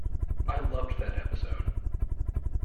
I loved that episode!